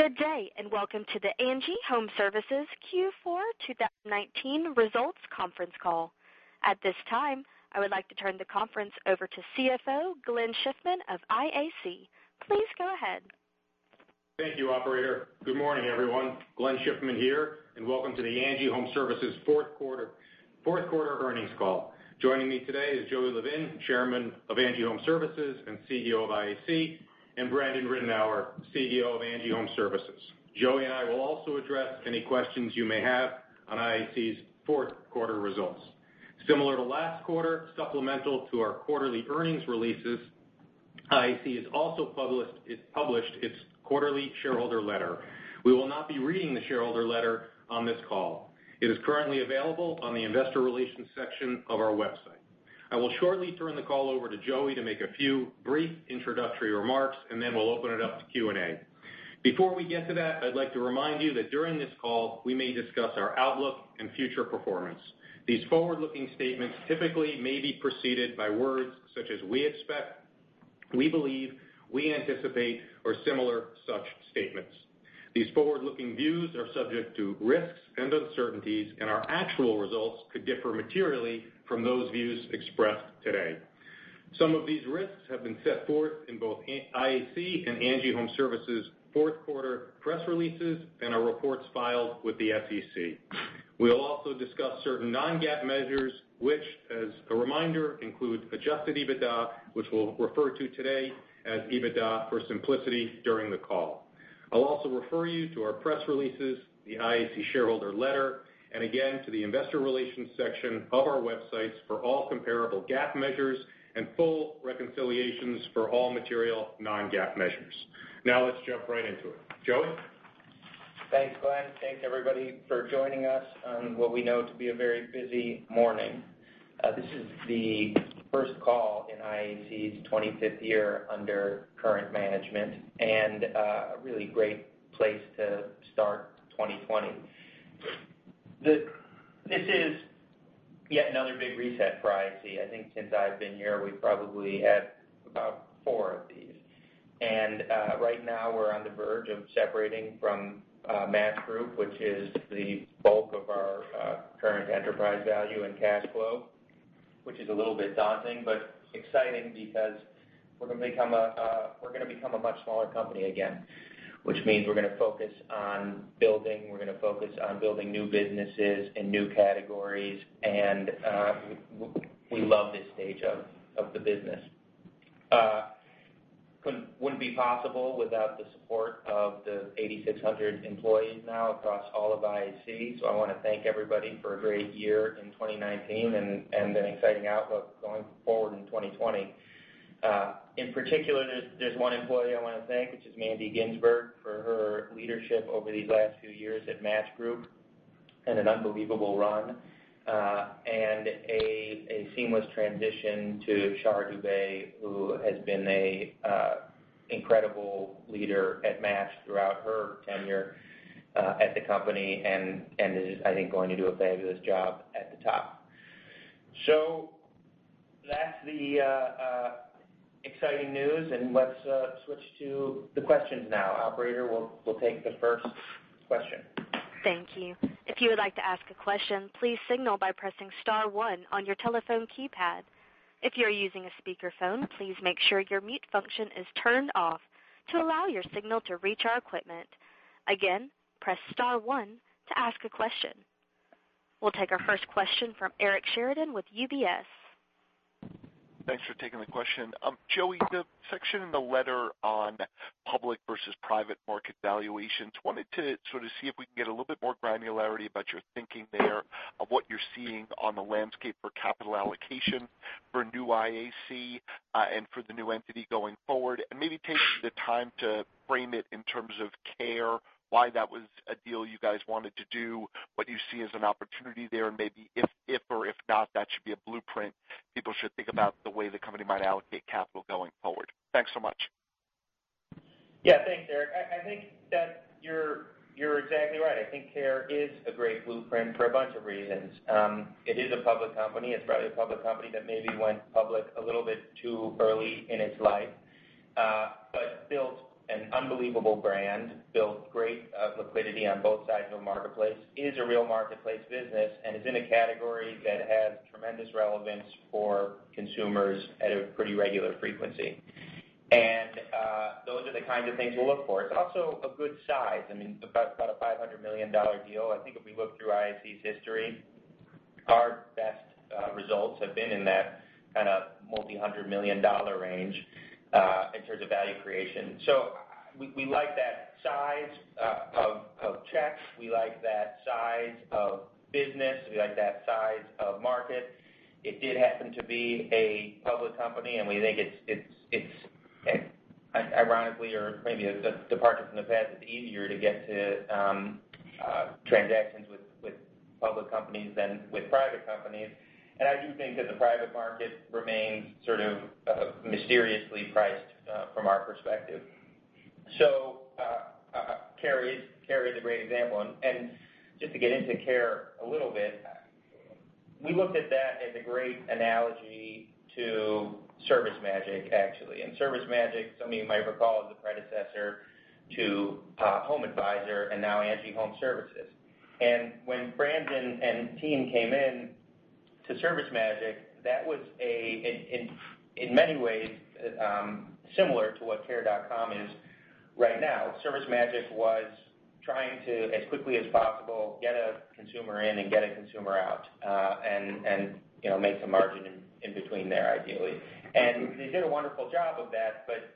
Good day, welcome to the ANGI Homeservices Q4 2019 results conference call. At this time, I would like to turn the conference over to CFO Glenn Schiffman of IAC. Please go ahead. Thank you, operator. Good morning, everyone. Glenn Schiffman here, and welcome to the ANGI Homeservices fourth quarter earnings call. Joining me today is Joey Levin, Chairman of ANGI Homeservices and CEO of IAC, and Brandon Ridenour, CEO of ANGI Homeservices. Joey and I will also address any questions you may have on IAC's fourth quarter results. Similar to last quarter, supplemental to our quarterly earnings releases, IAC has also published its quarterly shareholder letter. We will not be reading the shareholder letter on this call. It is currently available on the investor relations section of our website. I will shortly turn the call over to Joey to make a few brief introductory remarks, and then we'll open it up to Q&A. Before we get to that, I'd like to remind you that during this call, we may discuss our outlook and future performance. These forward-looking statements typically may be preceded by words such as "we expect," "we believe," "we anticipate," or similar such statements. These forward-looking views are subject to risks and uncertainties, and our actual results could differ materially from those views expressed today. Some of these risks have been set forth in both IAC and ANGI Homeservices' fourth quarter press releases and our reports filed with the SEC. We'll also discuss certain non-GAAP measures, which, as a reminder, include Adjusted EBITDA, which we'll refer to today as EBITDA for simplicity during the call. I'll also refer you to our press releases, the IAC shareholder letter, and again, to the investor relations section of our websites for all comparable GAAP measures and full reconciliations for all material non-GAAP measures. Now, let's jump right into it. Joey? Thanks, Glenn. Thanks, everybody, for joining us on what we know to be a very busy morning. This is the first call in IAC's 25th year under current management, a really great place to start 2020. This is yet another big reset for IAC. I think since I've been here, we've probably had about four of these. Right now, we're on the verge of separating from Match Group, which is the bulk of our current enterprise value and cash flow, which is a little bit daunting but exciting because we're going to become a much smaller company again, which means we're going to focus on building new businesses and new categories, and we love this stage of the business. Wouldn't be possible without the support of the 8,600 employees now across all of IAC, so I want to thank everybody for a great year in 2019 and an exciting outlook going forward in 2020. In particular, there's one employee I want to thank, which is Mandy Ginsberg, for her leadership over these last few years at Match Group, and an unbelievable run. A seamless transition to Shar Dubey, who has been a incredible leader at Match throughout her tenure at the company and is, I think, going to do a fabulous job at the top. That's the exciting news, and let's switch to the questions now. Operator, we'll take the first question. Thank you. If you would like to ask a question, please signal by pressing star one on your telephone keypad. If you're using a speakerphone, please make sure your mute function is turned off to allow your signal to reach our equipment. Again, press star one to ask a question. We will take our first question from Eric Sheridan with UBS. Thanks for taking the question. Joey, the section in the letter on public versus private market valuations, wanted to sort of see if we can get a little bit more granularity about your thinking there, of what you're seeing on the landscape for capital allocation for New IAC, and for the new entity going forward. Maybe take the time to frame it in terms of Care, why that was a deal you guys wanted to do, what you see as an opportunity there, and maybe if or if not that should be a blueprint people should think about the way the company might allocate capital going forward. Thanks so much. Yeah. Thanks, Eric. I think that you're exactly right. I think Care is a great blueprint for a bunch of reasons. It is a public company. It's probably a public company that maybe went public a little bit too early in its life. Built an unbelievable brand, built great liquidity on both sides of the marketplace. It is a real marketplace business, and it's in a category that has tremendous relevance for consumers at a pretty regular frequency. Those are the kinds of things we'll look for. It's also a good size. About a $500 million deal. I think if we look through IAC's history, our best results have been in that kind of multi-hundred million dollar range in terms of value creation. We like that size of checks. We like that size of business. We like that size of market. It did happen to be a public company, and we think it's, ironically or maybe a departure from the past, it's easier to get to transactions with public companies than with private companies. I do think that the private market remains sort of mysteriously priced from our perspective. So Care is a great example. Just to get into Care a little bit, we looked at that as a great analogy to ServiceMagic, actually. ServiceMagic, some of you might recall, is the predecessor to HomeAdvisor and now ANGI Homeservices. When Brandon and team came in to ServiceMagic, that was in many ways similar to what Care.com is right now. ServiceMagic was trying to, as quickly as possible, get a consumer in and get a consumer out, and make some margin in between there ideally. They did a wonderful job of that, but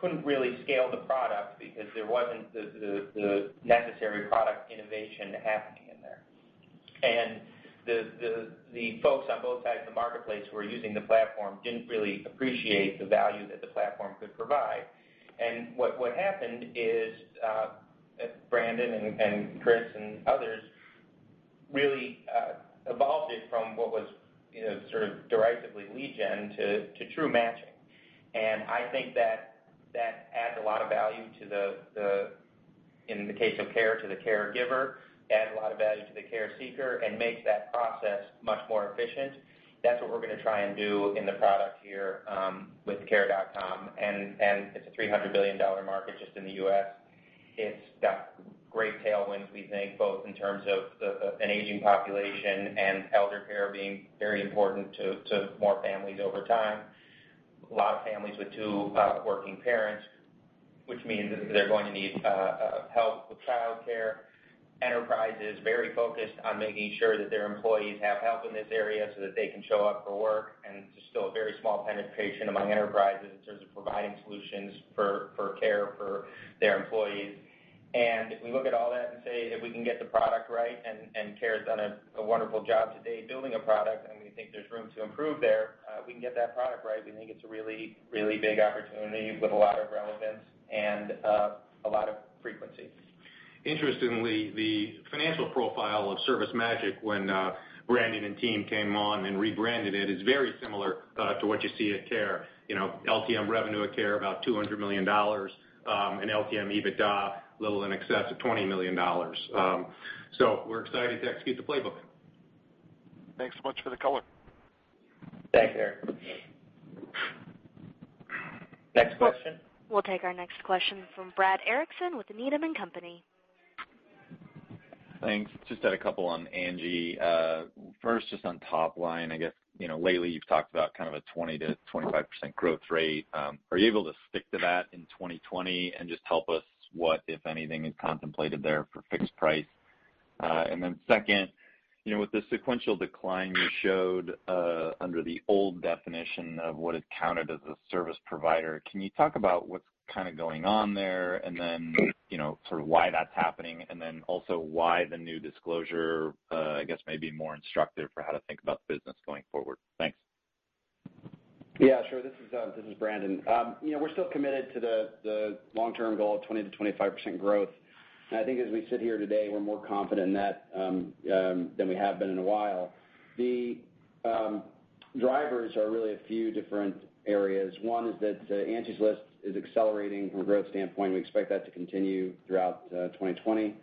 couldn't really scale the product because there wasn't the necessary product innovation happening in there. The folks on both sides of the marketplace who were using the platform didn't really appreciate the value that the platform could provide. What happened is, Brandon and Chris and others really evolved it from what was sort of derisively lead gen to true matching. I think that adds a lot of value, in the case of Care, to the caregiver, adds a lot of value to the care seeker, and makes that process much more efficient. That's what we're going to try and do in the product here with Care.com. It's a $300 billion market just in the U.S. It's got great tailwinds, we think, both in terms of an aging population and elder care being very important to more families over time. A lot of families with two working parents, which means they're going to need help with childcare. Enterprise is very focused on making sure that their employees have help in this area so that they can show up for work. It's still a very small penetration among enterprises in terms of providing solutions for care for their employees. If we look at all that and say if we can get the product right, and Care has done a wonderful job to date building a product and we think there's room to improve there, we can get that product right. We think it's a really big opportunity with a lot of relevance and a lot of frequency. Interestingly, the financial profile of ServiceMagic when Brandon and team came on and rebranded it is very similar to what you see at Care. LTM revenue at Care about $200 million, and LTM EBITDA a little in excess of $20 million. We're excited to execute the playbook. Thanks so much for the color. Thanks, Eric. Next question. We'll take our next question from Brad Erickson with Needham & Company. Thanks. Just had a couple on ANGI. First, just on top line, I guess lately you've talked about a 20%-25% growth rate. Are you able to stick to that in 2020? Just help us what, if anything, is contemplated there for Fixed Repair. Second, with the sequential decline you showed under the old definition of what is counted as a service provider, can you talk about what's kind of going on there and then, sort of why that's happening, and also why the new disclosure I guess may be more instructive for how to think about the business going forward? Thanks. Yeah, sure. This is Brandon. We're still committed to the long-term goal of 20%-25% growth. I think as we sit here today, we're more confident in that than we have been in a while. The drivers are really a few different areas. One is that Angie's List is accelerating from a growth standpoint. We expect that to continue throughout 2020.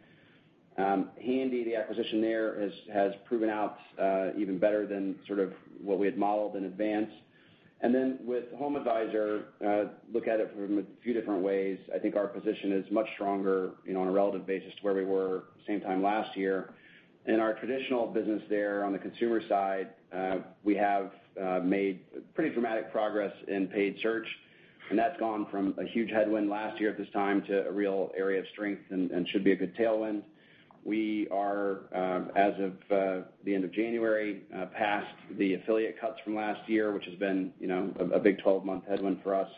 Handy, the acquisition there, has proven out even better than what we had modeled in advance. With HomeAdvisor, look at it from a few different ways. I think our position is much stronger, on a relative basis to where we were same time last year. In our traditional business there, on the consumer side, we have made pretty dramatic progress in paid search, and that's gone from a huge headwind last year at this time to a real area of strength and should be a good tailwind. We are, as of the end of January, past the affiliate cuts from last year, which has been a big 12-month headwind for us.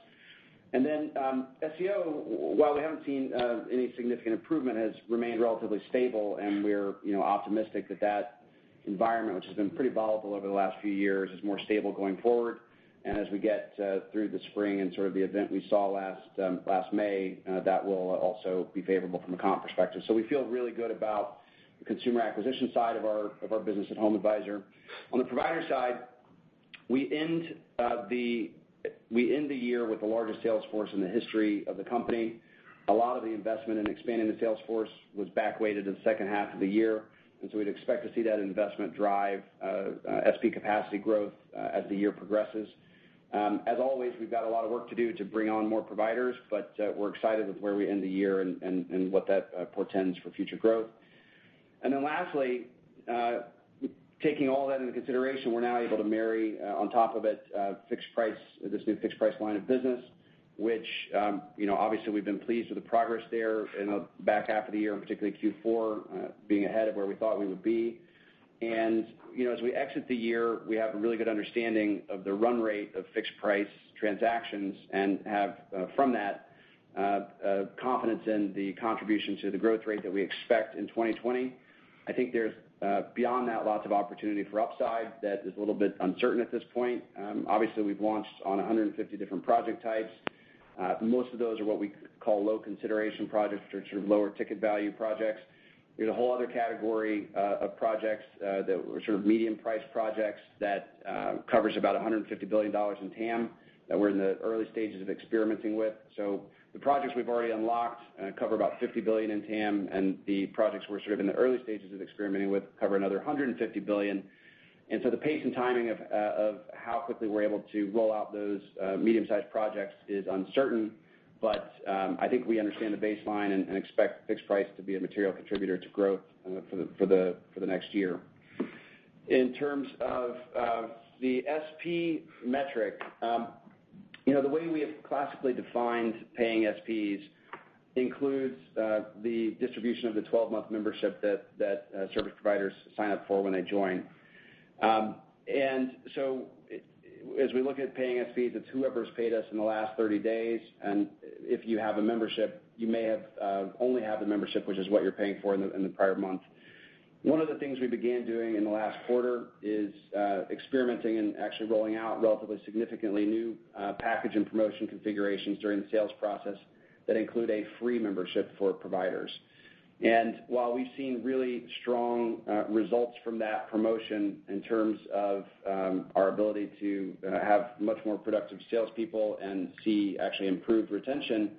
SEO, while we haven't seen any significant improvement, has remained relatively stable, and we're optimistic that environment, which has been pretty volatile over the last few years, is more stable going forward. As we get through the spring and the event we saw last May, that will also be favorable from a comp perspective. We feel really good about the consumer acquisition side of our business at HomeAdvisor. On the provider side, we end the year with the largest sales force in the history of the company. A lot of the investment in expanding the sales force was back weighted to the second half of the year, and so we'd expect to see that investment drive SP capacity growth as the year progresses. As always, we've got a lot of work to do to bring on more providers, but we're excited with where we end the year and what that portends for future growth. Lastly, taking all that into consideration, we're now able to marry on top of it this new fixed price line of business, which obviously we've been pleased with the progress there in the back half of the year, and particularly Q4 being ahead of where we thought we would be. As we exit the year, we have a really good understanding of the run rate of fixed price transactions and have from that, confidence in the contribution to the growth rate that we expect in 2020. I think there's, beyond that, lots of opportunity for upside that is a little bit uncertain at this point. Obviously, we've launched on 150 different project types. Most of those are what we call low consideration projects, which are sort of lower ticket value projects. There's a whole other category of projects that are sort of medium priced projects that covers about $150 billion in TAM that we're in the early stages of experimenting with. The projects we've already unlocked cover about $50 billion in TAM, and the projects we're sort of in the early stages of experimenting with cover another $150 billion. The pace and timing of how quickly we're able to roll out those medium-sized projects is uncertain. I think we understand the baseline and expect Fixed Price to be a material contributor to growth for the next year. In terms of the SP metric, the way we have classically defined paying SPs includes the distribution of the 12-month membership that service providers sign up for when they join. As we look at paying SPs, it's whoever's paid us in the last 30 days, and if you have a membership, you may only have the membership, which is what you're paying for in the prior month. One of the things we began doing in the last quarter is experimenting and actually rolling out relatively significantly new package and promotion configurations during the sales process that include a free membership for providers. While we've seen really strong results from that promotion in terms of our ability to have much more productive salespeople and see actually improved retention,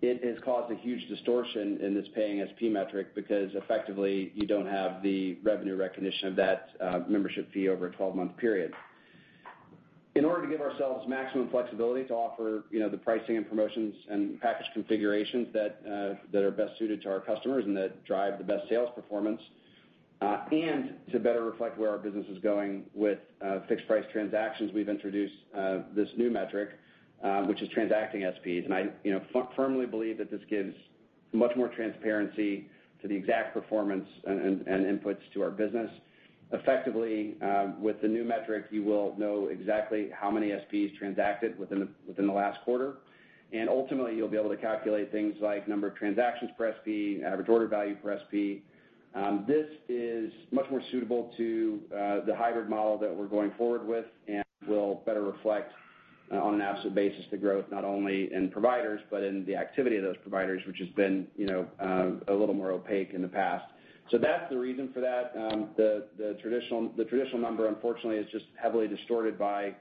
it has caused a huge distortion in this paying SP metric because effectively, you don't have the revenue recognition of that membership fee over a 12-month period. In order to give ourselves maximum flexibility to offer the pricing and promotions and package configurations that are best suited to our customers and that drive the best sales performance, and to better reflect where our business is going with Fixed Price transactions, we've introduced this new metric, which is Transacting SPs. I firmly believe that this gives much more transparency to the exact performance and inputs to our business. Effectively, with the new metric, you will know exactly how many SPs transacted within the last quarter. Ultimately, you'll be able to calculate things like number of transactions per SP, average order value per SP. This is much more suitable to the hybrid model that we're going forward with and will better reflect on an absolute basis the growth, not only in providers but in the activity of those providers, which has been a little more opaque in the past. That's the reason for that. The traditional number unfortunately is just heavily distorted by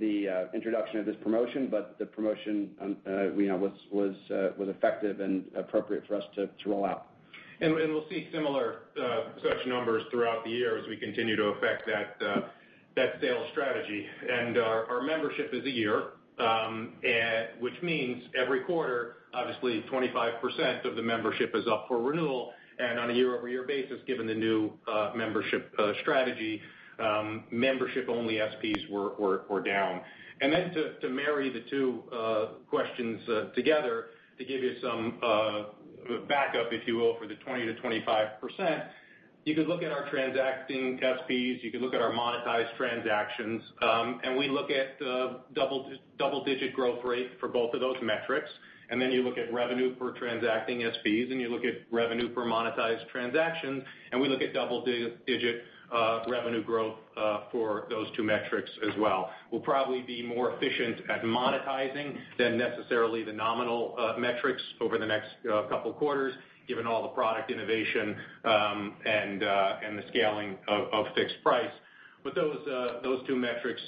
the introduction of this promotion, but the promotion was effective and appropriate for us to roll out. We'll see similar such numbers throughout the year as we continue to affect that sales strategy. Our membership is a year, which means every quarter, obviously 25% of the membership is up for renewal, and on a year-over-year basis, given the new membership strategy, membership-only SPs were down. To marry the two questions together, to give you some backup, if you will, for the 20%-25%, you could look at our Transacting SPs, you could look at our monetized transactions, and we look at double-digit growth rate for both of those metrics. You look at revenue per Transacting SPs, and you look at revenue per monetized transactions, and we look at double-digit revenue growth for those two metrics as well. We'll probably be more efficient at monetizing than necessarily the nominal metrics over the next couple of quarters, given all the product innovation and the scaling of Fixed Price. Those two metrics,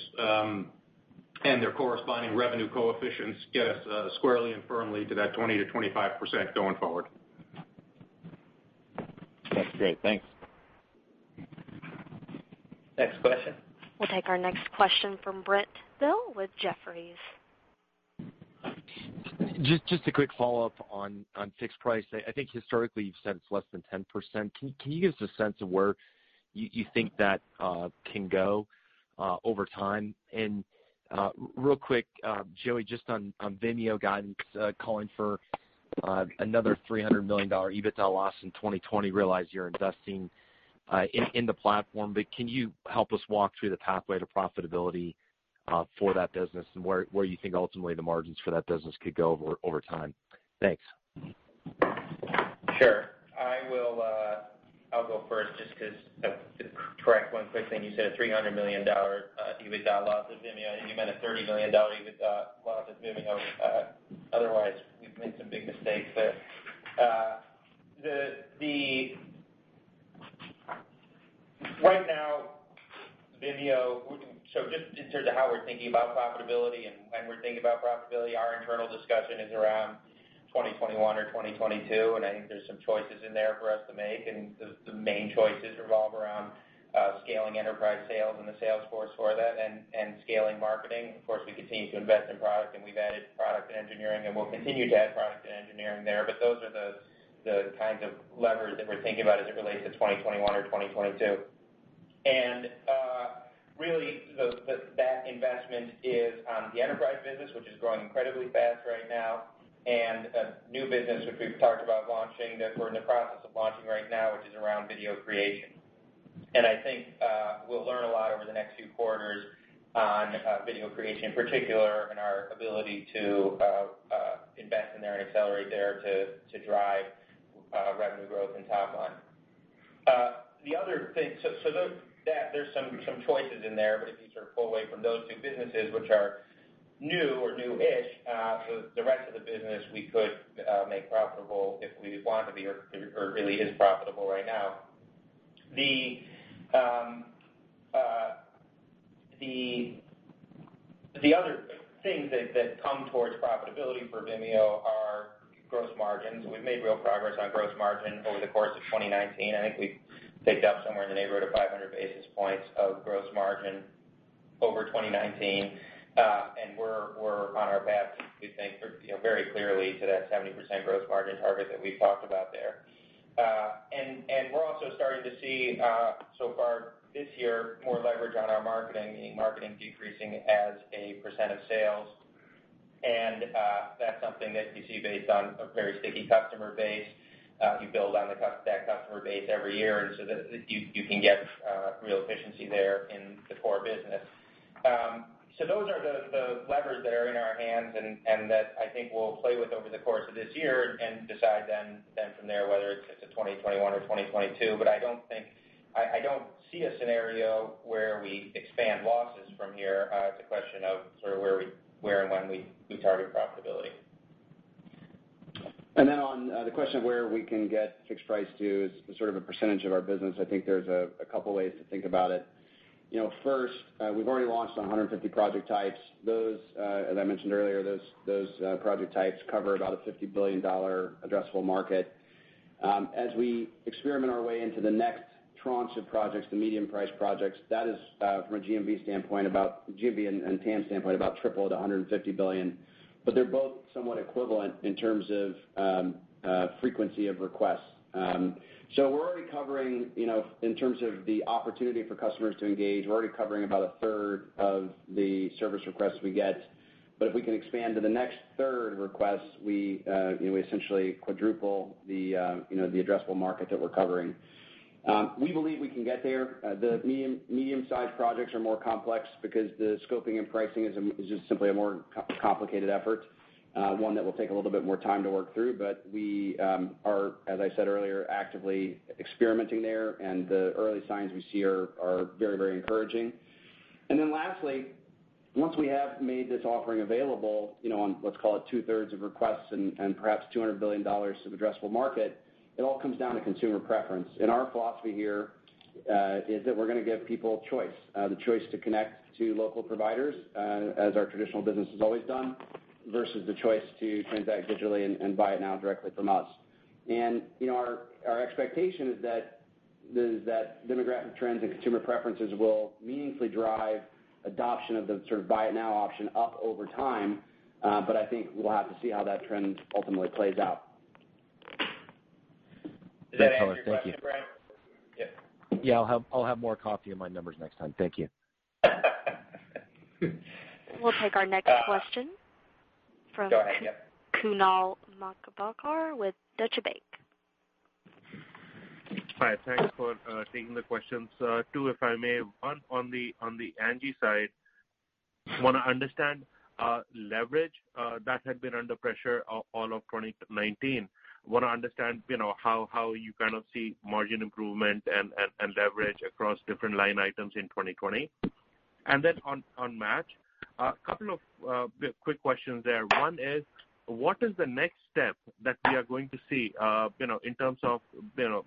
and their corresponding revenue coefficients, get us squarely and firmly to that 20%-25% going forward. That's great. Thanks. Next question. We'll take our next question from Brent Thill with Jefferies. Just a quick follow-up on Fixed Repair. I think historically you've said it's less than 10%. Can you give us a sense of where you think that can go over time? Real quick, Joey, just on Vimeo guidance, calling for another $300 million EBITDA loss in 2020. Realize you're investing in the platform, but can you help us walk through the pathway to profitability for that business and where you think ultimately the margins for that business could go over time? Thanks. Sure. I'll go first just because to correct one quick thing, you said a $300 million EBITDA loss at Vimeo. I think you meant a $30 million EBITDA loss at Vimeo. Otherwise, we've made some big mistakes there. Right now, just in terms of how we're thinking about profitability and when we're thinking about profitability, our internal discussion is around 2021 or 2022, and I think there's some choices in there for us to make. The main choices revolve around scaling enterprise sales and the sales force for that and scaling marketing. Of course, we continue to invest in product and we've added product and engineering, and we'll continue to add product and engineering there. Those are the kinds of levers that we're thinking about as it relates to 2021 or 2022. Really, that investment is on the enterprise business, which is growing incredibly fast right now, and a new business which we've talked about launching, that we're in the process of launching right now, which is around video creation. I think we'll learn a lot over the next few quarters on video creation in particular and our ability to invest in there and accelerate there to drive revenue growth and top line. The other thing, so there's some choices in there, but if you sort of pull away from those two businesses, which are new or new-ish, the rest of the business we could make profitable if we wanted to be, or really is profitable right now. The other things that come towards profitability for Vimeo are gross margins. We've made real progress on gross margin over the course of 2019. I think we've picked up somewhere in the neighborhood of 500 basis points of gross margin over 2019. We're on our path, we think, very clearly to that 70% gross margin target that we've talked about there. We're also starting to see, so far this year, more leverage on our marketing, meaning marketing decreasing as a percent of sales. That's something that you see based on a very sticky customer base. You build on that customer base every year, and so you can get real efficiency there in the core business. Those are the levers that are in our hands and that I think we'll play with over the course of this year and decide then from there whether it's a 2021 or 2022. I don't see a scenario where we expand losses from here. It's a question of sort of where and when we target profitability. On the question of where we can get fixed price to as sort of a percentage of our business, I think there's a couple ways to think about it. First, we've already launched on 150 project types. As I mentioned earlier, those project types cover about a $50 billion addressable market. As we experiment our way into the next tranche of projects, the medium-priced projects, that is from a GMV and TAM standpoint, about triple to $150 billion. They're both somewhat equivalent in terms of frequency of requests. We're already covering, in terms of the opportunity for customers to engage, we're already covering about a third of the service requests we get. If we can expand to the next third requests, we essentially quadruple the addressable market that we're covering. We believe we can get there. The medium-sized projects are more complex because the scoping and pricing is just simply a more complicated effort, one that will take a little bit more time to work through. We are, as I said earlier, actively experimenting there, and the early signs we see are very encouraging. Lastly, once we have made this offering available on, let's call it 2/3 of requests and perhaps $200 billion of addressable market, it all comes down to consumer preference. Our philosophy here is that we're going to give people choice. The choice to connect to local providers, as our traditional business has always done, versus the choice to transact digitally and buy it now directly from us. Our expectation is that demographic trends and consumer preferences will meaningfully drive adoption of the sort of buy it now option up over time. I think we'll have to see how that trend ultimately plays out. Helpful, thank you? Yeah. I'll have more coffee in my numbers next time. Thank you. We'll take our next question from. Go ahead, yeah. Kunal Madhukar with Deutsche Bank. Hi. Thanks for taking the questions. Two, if I may. One, on the ANGI side, want to understand leverage that had been under pressure all of 2019. Want to understand how you kind of see margin improvement and leverage across different line items in 2020. On Match, a couple of quick questions there. One is what is the next step that we are going to see in terms of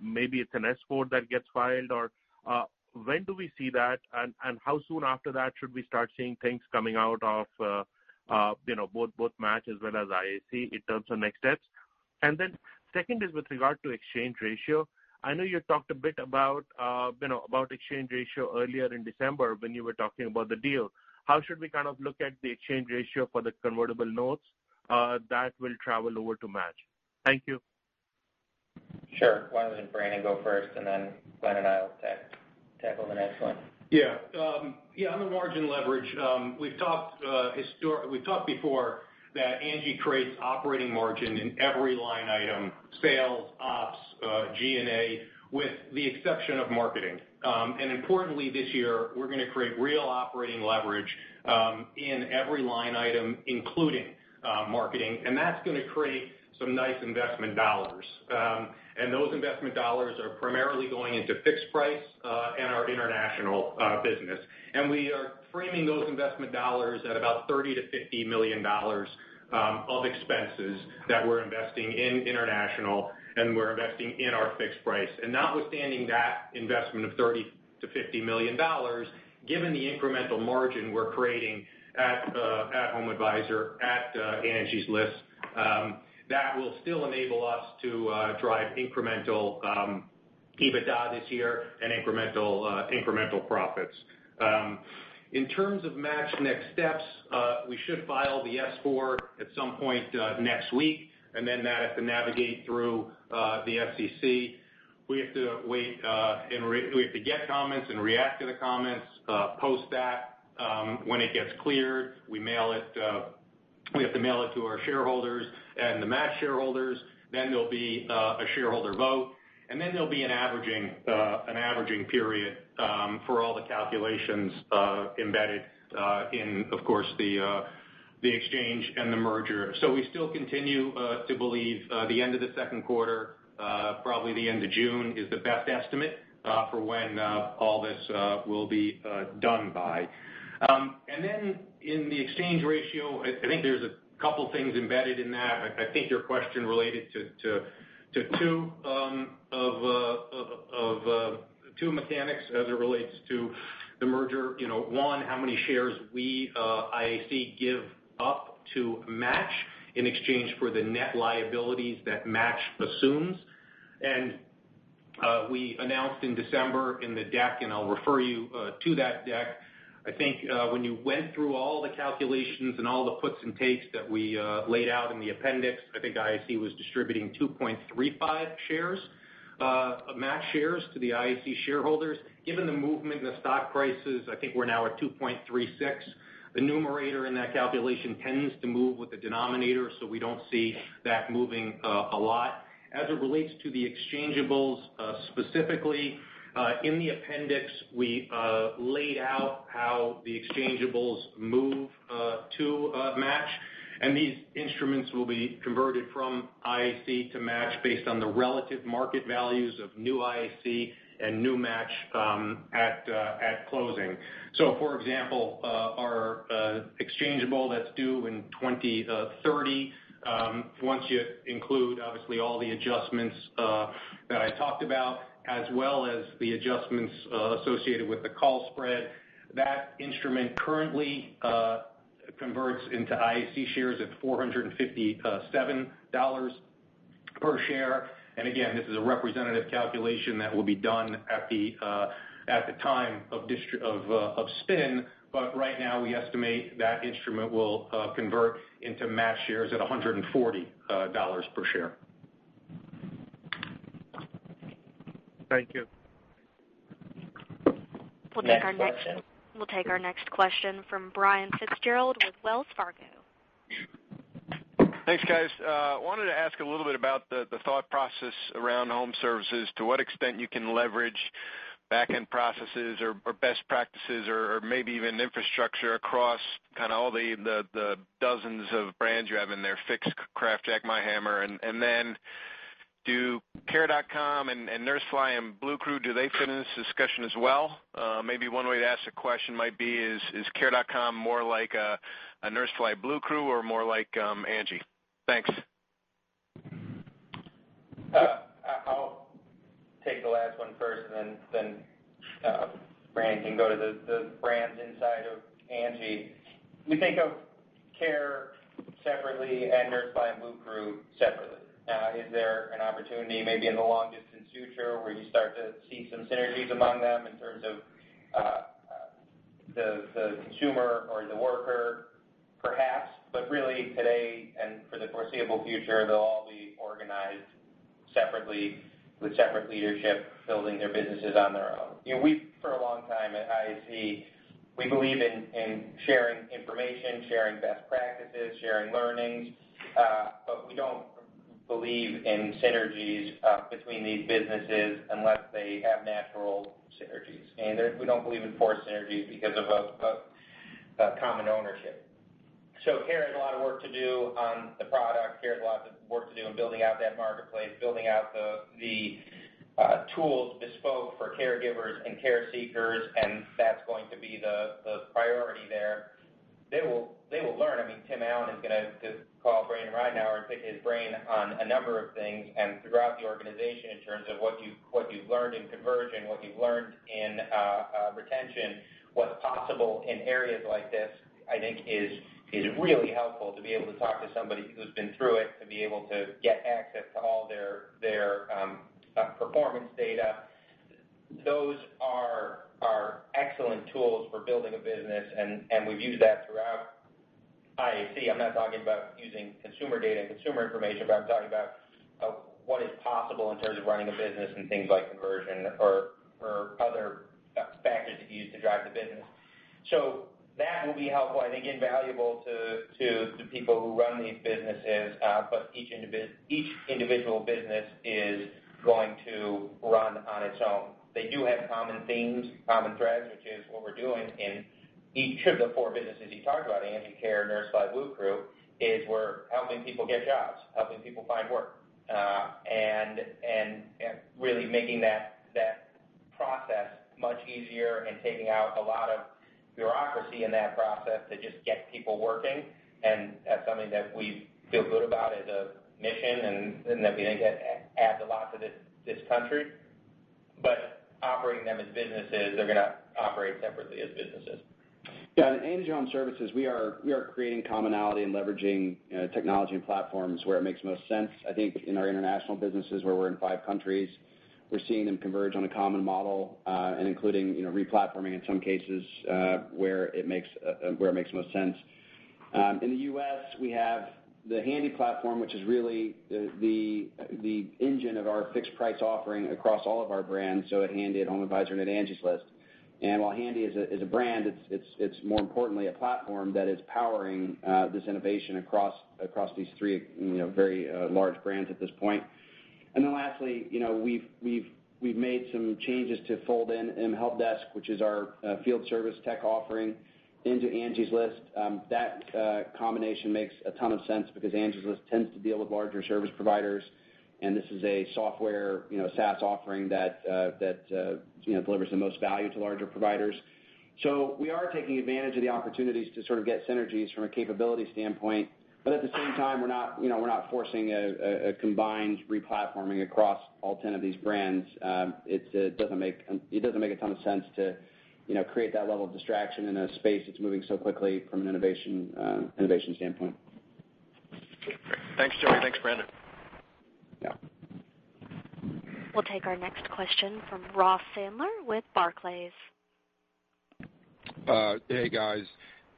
maybe it's an S-4 that gets filed, or when do we see that, and how soon after that should we start seeing things coming out of both Match as well as IAC in terms of next steps? Second is with regard to exchange ratio. I know you talked a bit about exchange ratio earlier in December when you were talking about the deal. How should we kind of look at the exchange ratio for the convertible notes that will travel over to Match? Thank you. Sure. Why don't you let Brandon go first and then Glenn and I will tackle the next one. On the margin leverage, we've talked before that ANGI creates operating margin in every line item, sales, ops, G&A, with the exception of marketing. Importantly, this year, we're going to create real operating leverage in every line item, including marketing, and that's going to create some nice investment dollars. Those investment dollars are primarily going into fixed price and our international business. We are framing those investment dollars at about $30 million-$50 million of expenses that we're investing in international and we're investing in our fixed price. Notwithstanding that investment of $30 million-$50 million, given the incremental margin we're creating at HomeAdvisor, at Angie's List, that will still enable us to drive incremental EBITDA this year and incremental profits. In terms of Match next steps, we should file the S-4 at some point next week, and then that has to navigate through the SEC. We have to wait, and we have to get comments and react to the comments. Post that, when it gets cleared, we have to mail it to our shareholders and the Match shareholders. There'll be a shareholder vote, and then there'll be an averaging period for all the calculations embedded in, of course, the exchange and the merger. We still continue to believe the end of the second quarter, probably the end of June, is the best estimate for when all this will be done by. In the exchange ratio, I think there's a couple things embedded in that. I think your question related to two mechanics as it relates to the merger. One, how many shares we, IAC, give up to Match in exchange for the net liabilities that Match assumes. We announced in December in the deck, and I'll refer you to that deck. I think when you went through all the calculations and all the puts and takes that we laid out in the appendix, I think IAC was distributing 2.35 Match shares to the IAC shareholders. Given the movement in the stock prices, I think we're now at 2.36. The numerator in that calculation tends to move with the denominator, so we don't see that moving a lot. As it relates to the exchangeables specifically, in the appendix, we laid out how the exchangeables move to Match, and these instruments will be converted from IAC to Match based on the relative market values of New IAC and New Match at closing. For example, our exchangeable that's due in 2030, once you include obviously all the adjustments that I talked about as well as the adjustments associated with the call spread, that instrument currently converts into IAC shares at $457 per share. Again, this is a representative calculation that will be done at the time of spin, but right now, we estimate that instrument will convert into Match shares at $140 per share. Thank you. We'll take our next question from Brian Fitzgerald with Wells Fargo. Thanks, guys. I wanted to ask a little bit about the thought process around HomeServices, to what extent you can leverage back-end processes or best practices or maybe even infrastructure across all the dozens of brands you have in there, Fix, CraftJack, MyHammer. Do Care.com and NurseFly and Bluecrew, do they fit into this discussion as well? Maybe one way to ask the question might be is Care.com more like a NurseFly, Bluecrew, or more like ANGI? Thanks. I'll take the last one first and then Brandon can go to the brands inside of ANGI. We think of Care separately and NurseFly and Bluecrew separately. Is there an opportunity maybe in the long-distance future where you start to see some synergies among them in terms of the consumer or the worker? Perhaps, really today and for the foreseeable future, they'll all be organized separately with separate leadership building their businesses on their own. For a long time at IAC, we believe in sharing information, sharing best practices, sharing learnings. We don't believe in synergies between these businesses unless they have natural synergies. We don't believe in forced synergies because of common ownership. Care has a lot of work to do on the product. Care.com has a lot of work to do in building out that marketplace, building out the tools bespoke for caregivers and care seekers, and that's going to be the priority there. They will learn. Tim Allen is going to call Brandon right now and pick his brain on a number of things and throughout the organization in terms of what you've learned in conversion, what you've learned in retention, what's possible in areas like this. I think is really helpful to be able to talk to somebody who's been through it, to be able to get access to all their performance data. Those are excellent tools for building a business, and we've used that throughout IAC. I'm not talking about using consumer data and consumer information, but I'm talking about what is possible in terms of running a business and things like conversion or other factors that you use to drive the business. That will be helpful, I think invaluable to the people who run these businesses. Each individual business is going to run on its own. They do have common themes, common threads, which is what we're doing in each of the four businesses you talked about, ANGI, Care, NurseFly, Bluecrew, is we're helping people get jobs, helping people find work, and really making that process much easier and taking out a lot of bureaucracy in that process to just get people working. That's something that we feel good about as a mission and that we think adds a lot to this country. Operating them as businesses, they're going to operate separately as businesses. Yeah. In ANGI Homeservices, we are creating commonality and leveraging technology and platforms where it makes most sense. I think in our international businesses where we're in five countries, we're seeing them converge on a common model, and including re-platforming in some cases, where it makes most sense. In the U.S., we have the Handy platform, which is really the engine of our fixed price offering across all of our brands, so at Handy, at HomeAdvisor, and at Angie's List. While Handy is a brand, it's more importantly a platform that is powering this innovation across these three very large brands at this point. Lastly, we've made some changes to fold in mHelpDesk, which is our field service tech offering into Angie's List. That combination makes a ton of sense because Angie's List tends to deal with larger service providers, and this is a software SaaS offering that delivers the most value to larger providers. We are taking advantage of the opportunities to sort of get synergies from a capability standpoint. At the same time, we're not forcing a combined re-platforming across all 10 of these brands. It doesn't make a ton of sense to create that level of distraction in a space that's moving so quickly from an innovation standpoint. Great. Thanks, Joey. Thanks, Brandon. Yeah. We'll take our next question from Ross Sandler with Barclays. Hey, guys.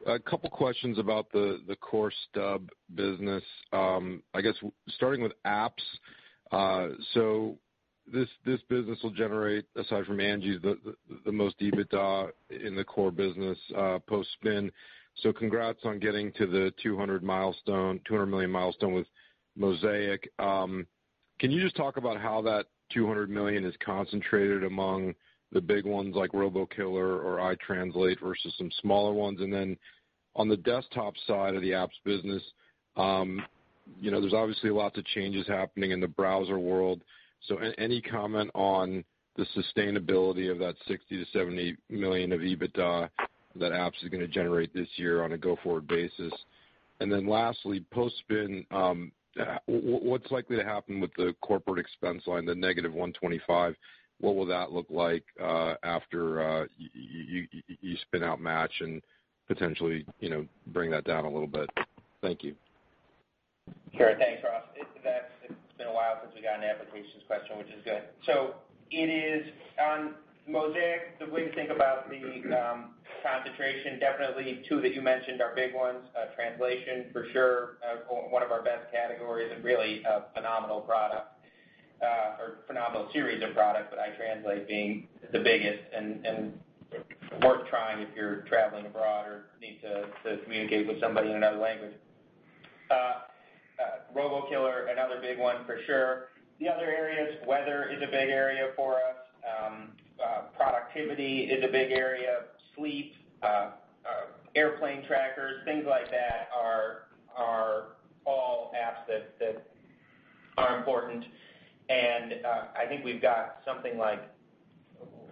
A couple questions about the core stub business. I guess, starting with apps. This business will generate, aside from ANGI, the most EBITDA in the core business post-spin. Congrats on getting to the $200 million milestone with Mosaic. Can you just talk about how that $200 million is concentrated among the big ones like RoboKiller or iTranslate versus some smaller ones? On the desktop side of the apps business, there's obviously lots of changes happening in the browser world. Any comment on the sustainability of that $60 million-$70 million of EBITDA that apps is going to generate this year on a go-forward basis? Lastly, post-spin, what's likely to happen with the corporate expense line, the negative $125? What will that look like after you spin out Match and potentially, bring that down a little bit? Thank you. Sure. Thanks, Ross. It's been a while since we got an applications question, which is good. On Mosaic, the way to think about the concentration, definitely two that you mentioned are big ones. Translation for sure. One of our best categories and really a phenomenal product, or phenomenal series of products, but iTranslate being the biggest and worth trying if you're traveling abroad or need to communicate with somebody in another language. RoboKiller, another big one for sure. The other areas, weather is a big area for us. Productivity is a big area. Sleep, airplane trackers, things like that are all apps that are important. I think we've got something like.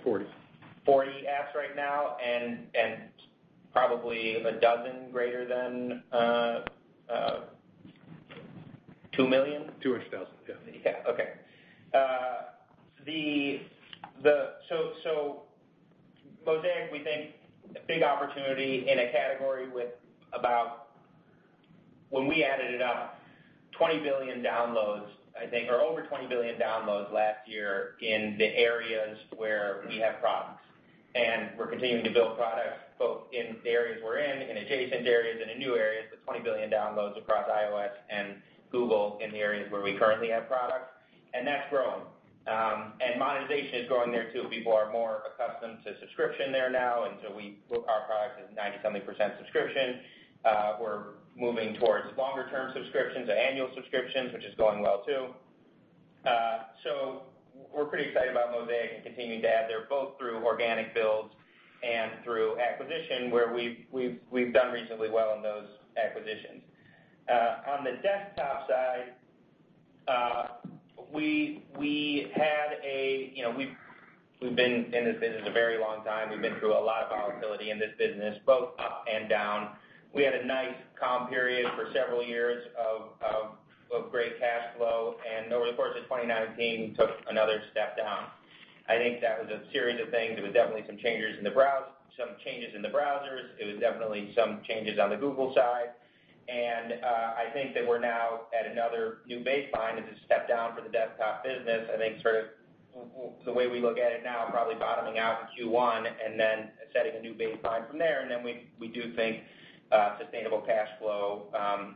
40 40 apps right now and probably a dozen greater than 2 million? [2 million. Yeah.] Okay. Mosaic, we think, a big opportunity in a category with about, when we added it up, 20 billion downloads, I think, or over 20 billion downloads last year in the areas where we have products. We're continuing to build products both in the areas we're in adjacent areas, and in new areas with 20 billion downloads across iOS and Google in the areas where we currently have products. That's growing. Monetization is growing there too. People are more accustomed to subscription there now. We book our products as 90-something% subscription. We're moving towards longer-term subscriptions or annual subscriptions, which is going well too. We're pretty excited about Mosaic and continuing to add there both through organic builds and through acquisition, where we've done reasonably well in those acquisitions. On the desktop side, we've been in this business a very long time. We've been through a lot of volatility in this business, both up and down. Over the course of 2019, took another step down. I think that was a series of things. It was definitely some changes in the browsers. It was definitely some changes on the Google side. I think that we're now at another new baseline as a step down for the desktop business. I think sort of the way we look at it now, probably bottoming out in Q1 and then setting a new baseline from there. Then we do think sustainable cash flow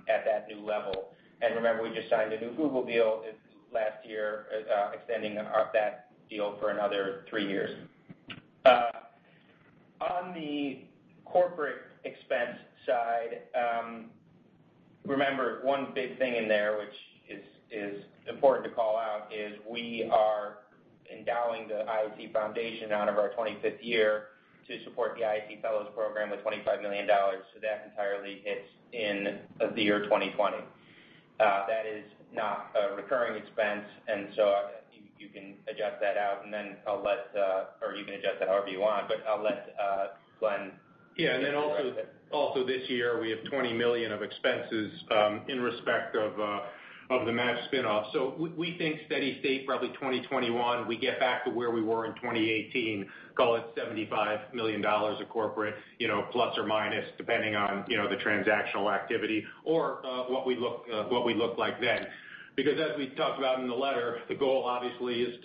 at that new level. Remember, we just signed a new Google deal this last year extending that deal for another three years. On the corporate expense side, remember one big thing in there which is important to call out is we are endowing the IAC Foundation out of our 25th year to support the IAC Fellows program with $25 million. That entirely hits in the year 2020. That is not a recurring expense, you can adjust that out, or you can adjust that however you want, I'll let Glenn. Also this year, we have $20 million of expenses in respect of the Match spin-off. We think steady state, probably 2021, we get back to where we were in 2018, call it $75 million of corporate, plus or minus depending on the transactional activity or what we look like then. As we talked about in the letter, the goal obviously is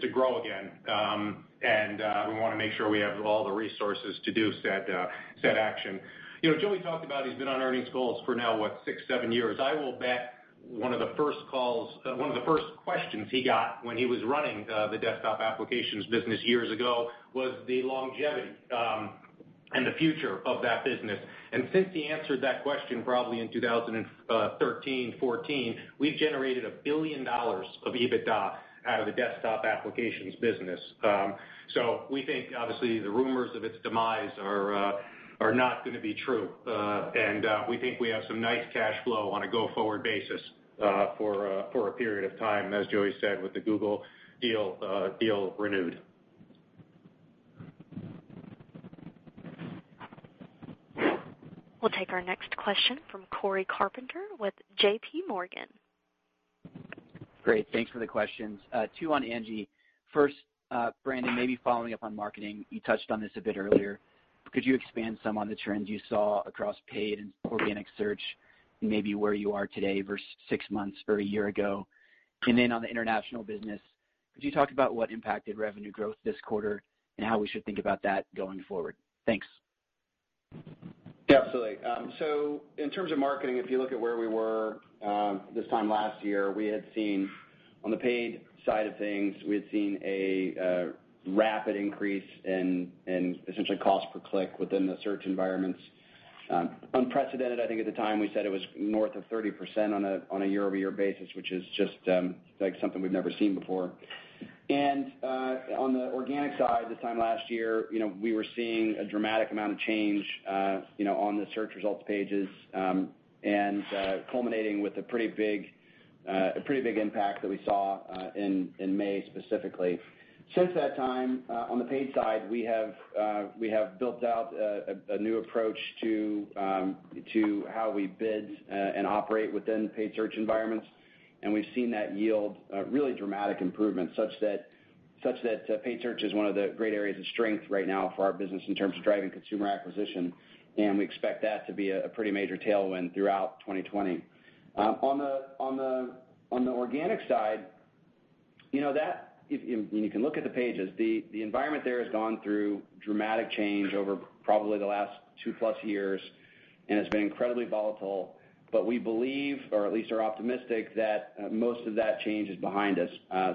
to grow again. We want to make sure we have all the resources to do said action. Joey talked about he's been on earnings calls for now, what? Six, seven years. I will bet one of the first questions he got when he was running the desktop applications business years ago was the longevity and the future of that business. Since he answered that question probably in 2013, 2014, we've generated $1 billion of EBITDA out of the desktop applications business. We think obviously the rumors of its demise are not going to be true. We think we have some nice cash flow on a go-forward basis for a period of time, as Joey said, with the Google deal renewed. We'll take our next question from Cory Carpenter with JPMorgan. Great. Thanks for the questions. Two on Angi. First, Brandon, maybe following up on marketing, you touched on this a bit earlier. Could you expand some on the trends you saw across paid and organic search, and maybe where you are today versus six months or a year ago? Then on the international business, could you talk about what impacted revenue growth this quarter, and how we should think about that going forward? Thanks. Definitely. In terms of marketing, if you look at where we were this time last year, on the paid side of things, we had seen a rapid increase in essentially cost per click within the search environments. Unprecedented, I think at the time, we said it was north of 30% on a year-over-year basis, which is just something we've never seen before. On the organic side, this time last year, we were seeing a dramatic amount of change on the search results pages, and culminating with a pretty big impact that we saw in May, specifically. Since that time, on the paid side, we have built out a new approach to how we bid and operate within the paid search environments. We've seen that yield really dramatic improvements, such that paid search is one of the great areas of strength right now for our business in terms of driving consumer acquisition. We expect that to be a pretty major tailwind throughout 2020. On the organic side, when you can look at the pages, the environment there has gone through dramatic change over probably the last two plus years, and it's been incredibly volatile. We believe, or at least are optimistic that most of that change is behind us,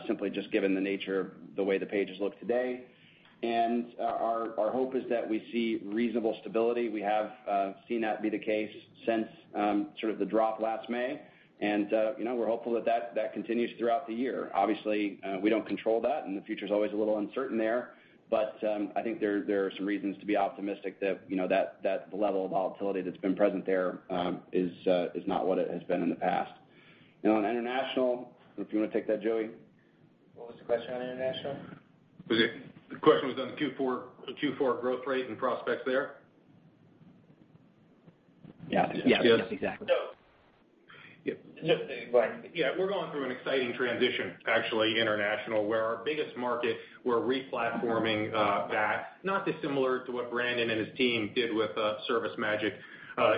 simply just given the nature of the way the pages look today. Our hope is that we see reasonable stability. We have seen that be the case since sort of the drop last May. We're hopeful that continues throughout the year. Obviously, we don't control that, and the future's always a little uncertain there, but I think there are some reasons to be optimistic that the level of volatility that's been present there is not what it has been in the past. On international, if you want to take that, Joey? What was the question on international? The question was on the Q4 growth rate and prospects there. Yes, exactly. Yeah. We're going through an exciting transition, actually, international, where our biggest market, we're re-platforming that, not dissimilar to what Brandon and his team did with ServiceMagic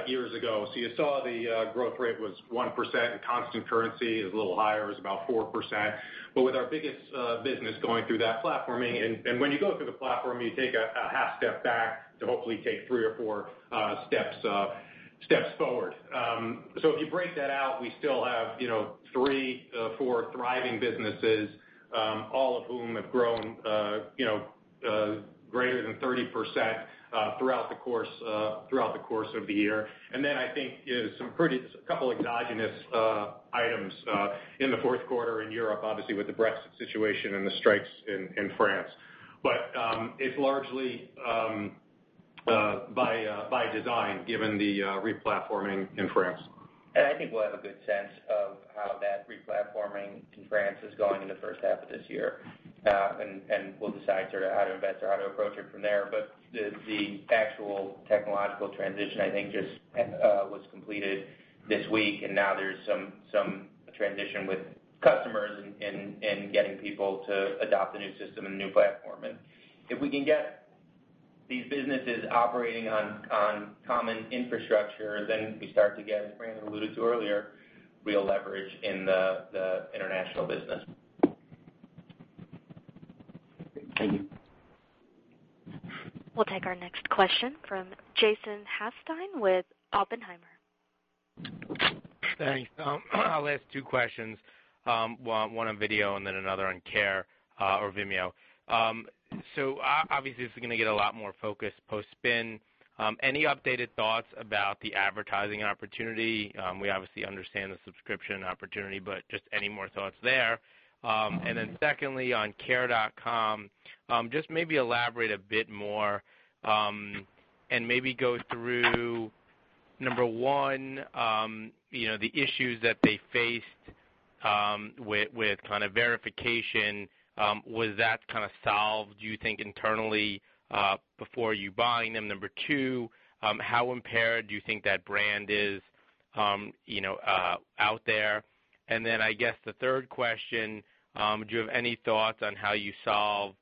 years ago. You saw the growth rate was 1% in constant currency. It was a little higher. It was about 4%. With our biggest business going through that platforming, and when you go through the platform, you take a half step back to hopefully take three or four steps forward. If you break that out, we still have three, four thriving businesses, all of whom have grown greater than 30% throughout the course of the year. I think some pretty, couple exogenous items in the fourth quarter in Europe, obviously, with the Brexit situation and the strikes in France. It's largely by design given the re-platforming in France. I think we'll have a good sense of how that re-platforming in France is going in the first half of this year. We'll decide sort of how to invest or how to approach it from there. The actual technological transition, I think just was completed this week, and now there's some transition with customers and getting people to adopt a new system and a new platform. If we can get these businesses operating on common infrastructure, then we start to get, as Brandon alluded to earlier, real leverage in the international business. Thank you. We'll take our next question from Jason Helfstein with Oppenheimer. Thanks. I'll ask two questions. One on Vimeo and then another on Care.com or Vimeo. Obviously, this is going to get a lot more focus post-spin. Any updated thoughts about the advertising opportunity? We obviously understand the subscription opportunity, but just any more thoughts there? Then secondly, on Care.com, just maybe elaborate a bit more, and maybe go through, number one, the issues that they faced with kind of verification. Was that kind of solved, do you think, internally, before you buying them? Number two, how impaired do you think that brand is out there? Then I guess the third question, do you have any thoughts on how you solve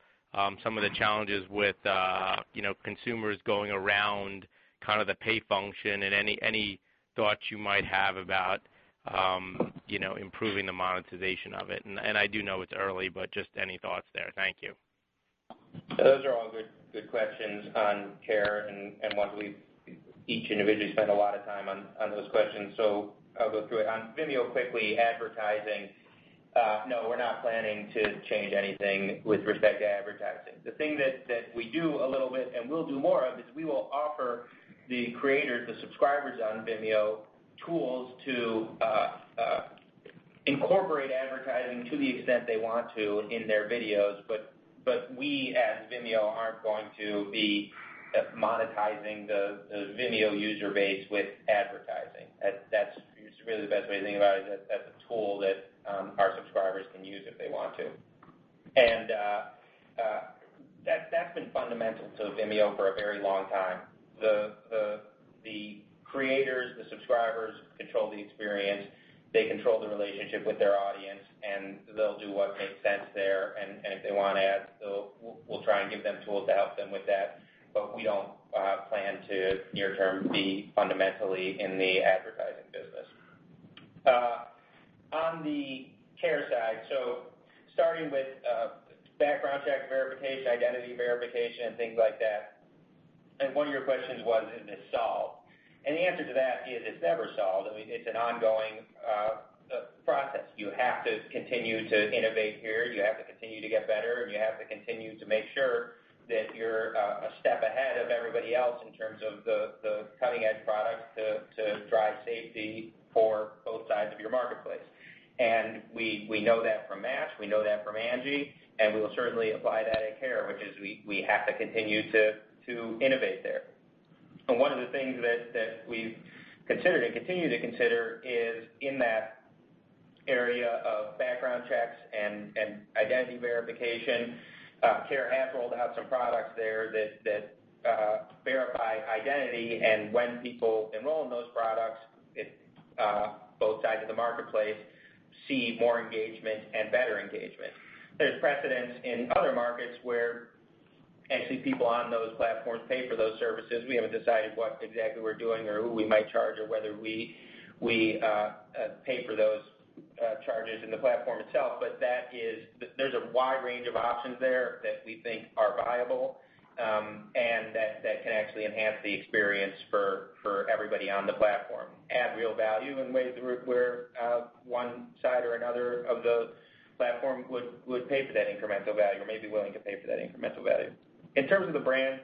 some of the challenges with consumers going around kind of the pay function and any thoughts you might have about improving the monetization of it? I do know it's early, but just any thoughts there. Thank you. Those are all good questions on Care.com, and one we each individually spend a lot of time on those questions. I'll go through it. On Vimeo, quickly, advertising. No, we're not planning to change anything with respect to advertising. The thing that we do a little bit and will do more of is we will offer the creators, the subscribers on Vimeo, tools to incorporate advertising to the extent they want to in their videos. We, as Vimeo, aren't going to be monetizing the Vimeo user base with advertising. That's really the best way to think about it, is that that's a tool that our subscribers can use if they want to. That's been fundamental to Vimeo for a very long time. The creators, the subscribers control the experience. They control the relationship with their audience, and they'll do what makes sense there. If they want ads, we'll try and give them tools to help them with that, but we don't plan to near-term be fundamentally in the advertising business. On the Care side, starting with background check verification, identity verification, and things like that. One of your questions was, is this solved? The answer to that is it's never solved. I mean, it's an ongoing process. You have to continue to innovate here. You have to continue to get better, and you have to continue to make sure that you're a step ahead of everybody else in terms of the cutting-edge product to drive safety for both sides of your marketplace. We know that from Match. We know that from ANGI, and we will certainly apply that at Care, which is we have to continue to innovate there. One of the things that we've considered and continue to consider is in that area of background checks and identity verification. Care has rolled out some products there that verify identity and when people enroll in those products, both sides of the marketplace see more engagement and better engagement. There's precedence in other markets where actually people on those platforms pay for those services. We haven't decided what exactly we're doing or who we might charge or whether we pay for those charges in the platform itself. There's a wide range of options there that we think are viable, and that can actually enhance the experience for everybody on the platform. Add real value in ways where one side or another of the platform would pay for that incremental value or may be willing to pay for that incremental value. In terms of the brand,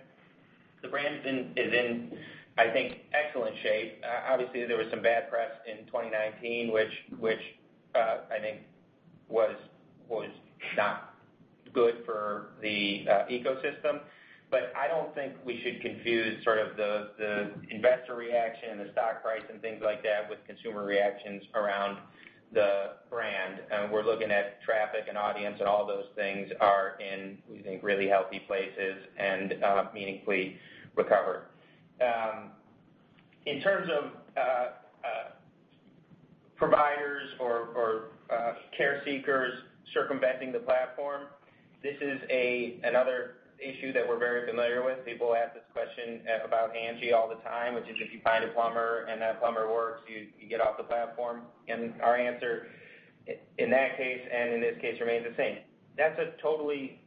the brand is in, I think, excellent shape. Obviously, there was some bad press in 2019 which I think was not good for the ecosystem. I don't think we should confuse sort of the investor reaction, the stock price, and things like that with consumer reactions around the brand. We're looking at traffic and audience and all those things are in, we think, really healthy places and meaningfully recovered. In terms of providers or Care seekers circumventing the platform, this is another issue that we're very familiar with. People ask this question about ANGI all the time, which is if you find a plumber and that plumber works, you get off the platform. Our answer in that case and in this case remains the same. That's a totally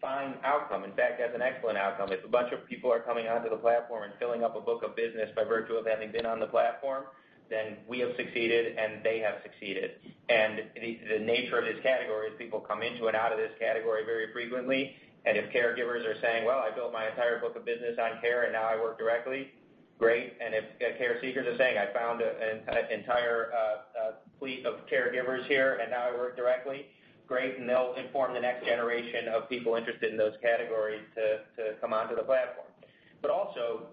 fine outcome. In fact, that's an excellent outcome. If a bunch of people are coming onto the platform and filling up a book of business by virtue of having been on the platform, then we have succeeded and they have succeeded. The nature of this category is people come into and out of this category very frequently. If caregivers are saying, "Well, I built my entire book of business on Care, and now I work directly," great. If Care seekers are saying, "I found an entire fleet of caregivers here, and now I work directly," great, and they'll inform the next generation of people interested in those categories to come onto the platform. Also,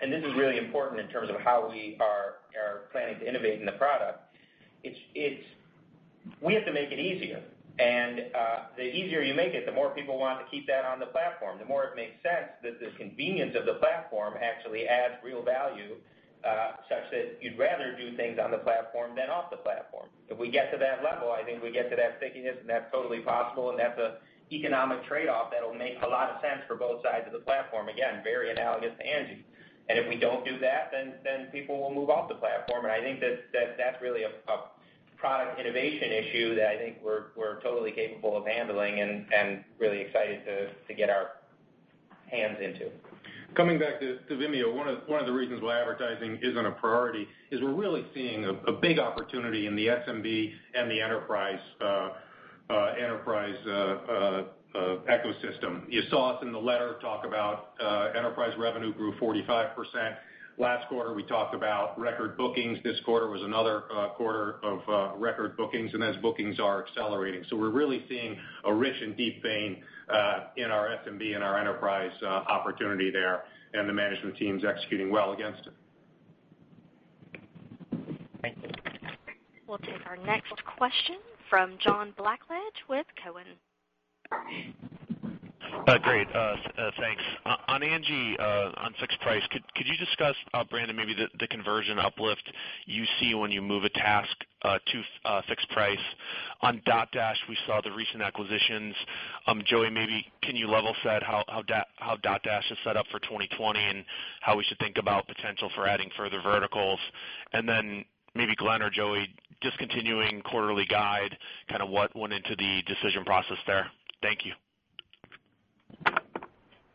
and this is really important in terms of how we are planning to innovate in the product. We have to make it easier. The easier you make it, the more people want to keep that on the platform. The more it makes sense that the convenience of the platform actually adds real value, such that you'd rather do things on the platform than off the platform. If we get to that level, I think we get to that stickiness, and that's totally possible, and that's an economic trade-off that'll make a lot of sense for both sides of the platform. Again, very analogous to ANGI. If we don't do that, then people will move off the platform. I think that's really a product innovation issue that I think we're totally capable of handling and really excited to get our hands into. Coming back to Vimeo, one of the reasons why advertising isn't a priority is we're really seeing a big opportunity in the SMB and the enterprise ecosystem. You saw us in the letter talk about enterprise revenue grew 45%. Last quarter, we talked about record bookings. This quarter was another quarter of record bookings, and those bookings are accelerating. We're really seeing a rich and deep vein in our SMB and our enterprise opportunity there, and the management team's executing well against it. Thank you. We'll take our next question from John Blackledge with Cowen. Great, thanks. On Angi, on fixed price, could you discuss, Brandon, maybe the conversion uplift you see when you move a task to fixed price? On Dotdash, we saw the recent acquisitions. Joey, maybe can you level-set how Dotdash is set up for 2020 and how we should think about potential for adding further verticals? Maybe Glenn or Joey, discontinuing quarterly guide, kind of what went into the decision process there? Thank you.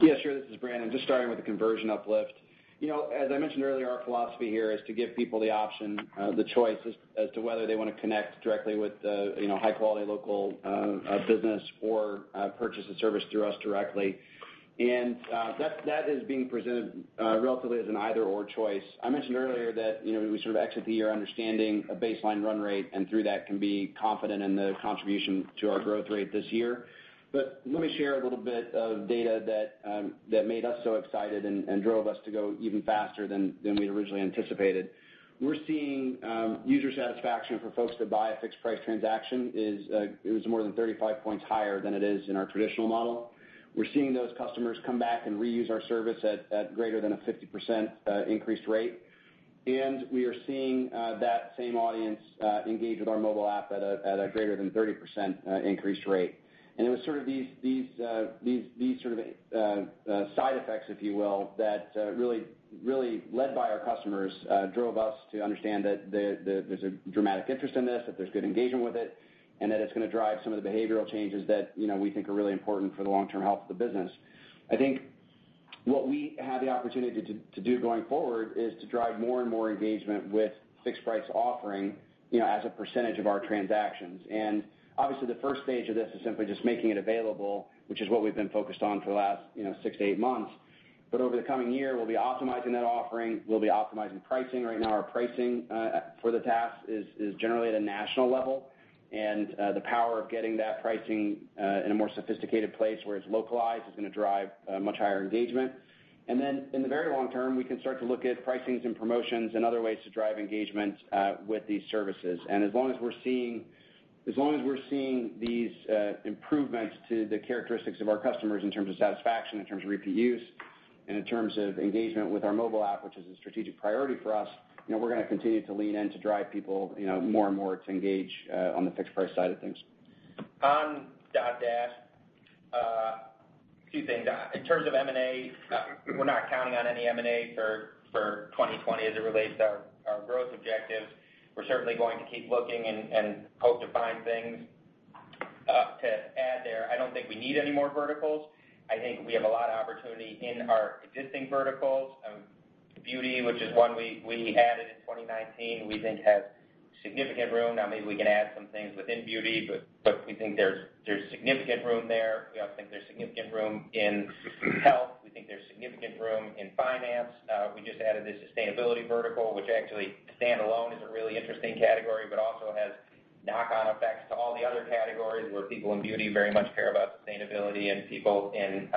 Yeah, sure. This is Brandon. Just starting with the conversion uplift. As I mentioned earlier, our philosophy here is to give people the option, the choice as to whether they want to connect directly with a high-quality local business or purchase a service through us directly. That is being presented relatively as an either/or choice. I mentioned earlier that we sort of exit the year understanding a baseline run rate, and through that can be confident in the contribution to our growth rate this year. Let me share a little bit of data that made us so excited and drove us to go even faster than we'd originally anticipated. We're seeing user satisfaction for folks to buy a fixed price transaction is more than 35 points higher than it is in our traditional model. We're seeing those customers come back and reuse our service at greater than a 50% increased rate. We are seeing that same audience engage with our mobile app at a greater than 30% increased rate. It was these sort of side effects, if you will, that really led by our customers, drove us to understand that there's a dramatic interest in this, that there's good engagement with it, and that it's going to drive some of the behavioral changes that we think are really important for the long-term health of the business. I think what we have the opportunity to do going forward is to drive more and more engagement with fixed price offering, as a percentage of our transactions. Obviously the first stage of this is simply just making it available, which is what we've been focused on for the last six to eight months. Over the coming year, we'll be optimizing that offering. We'll be optimizing pricing. Right now, our pricing for the tasks is generally at a national level. The power of getting that pricing in a more sophisticated place where it's localized is going to drive much higher engagement. In the very long term, we can start to look at pricings and promotions and other ways to drive engagement with these services. As long as we're seeing these improvements to the characteristics of our customers in terms of satisfaction, in terms of repeat use, and in terms of engagement with our mobile app, which is a strategic priority for us, we're going to continue to lean in to drive people more and more to engage on the fixed price side of things. On Dotdash, a few things. In terms of M&A, we're not counting on any M&A for 2020 as it relates to our growth objectives. We're certainly going to keep looking and hope to find things to add there. I don't think we need any more verticals. I think we have a lot of opportunity in our existing verticals. Beauty, which is one we added in 2019, we think has significant room. Maybe we can add some things within beauty, but we think there's significant room there. We also think there's significant room in health. We think there's significant room in finance. We just added the sustainability vertical, which actually standalone is a really interesting category, but also has knock-on effects to all the other categories where people in beauty very much care about sustainability, and people in